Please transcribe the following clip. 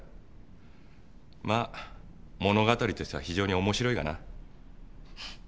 まぁ物語としては非常におもしろいがな。